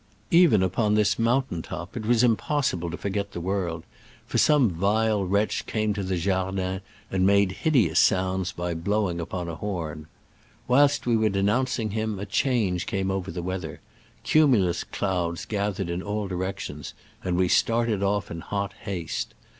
Even upon this mountain top it was impossible to forget the world, for some vile wretch came to the Jardin and made hideous sounds by blowing upon a horn. Whilst we were denouncing him a change came over the weather : cumulous clouds gathered in all directions, and we started off in hot haste.